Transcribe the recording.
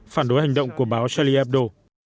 phản đối hành động của báo charlie hebdo